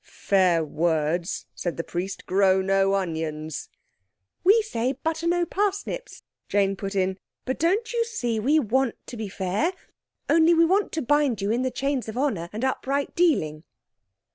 "Fair words," said the Priest, "grow no onions." "We say, 'Butter no parsnips'," Jane put in. "But don't you see we want to be fair? Only we want to bind you in the chains of honour and upright dealing."